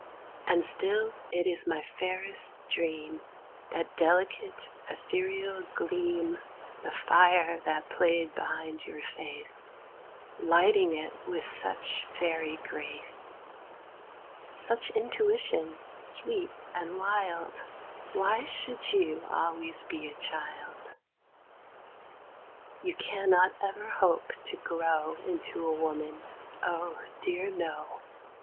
And still it is my fairest dream That delicate ethereal gleam, The fire that played behind your face, Lighting it with such fairy grace; Such intuition sweet and wild; Why should you always be a child? You cannot ever hope to grow Into a woman; oh dear no!